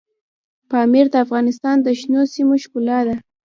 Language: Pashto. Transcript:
پامیر د افغانستان د شنو سیمو ښکلا ده.